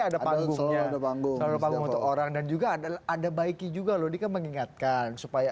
ada panggungnya bangun orang dan juga adalah ada baiki juga loh dikembang ingatkan supaya